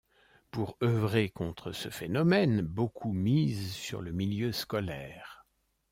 Pour œuvrer contre ce phénomène, beaucoup misent sur le milieu scolaire.